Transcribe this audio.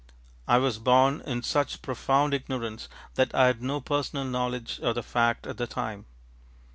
I was born in such profound ignorance that I had no personal knowledge of the fact at the time.